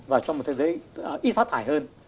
và cho một thế giới ít phát thải hơn